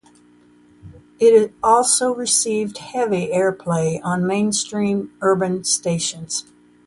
It also received heavy airplay on Mainstream Urban stations.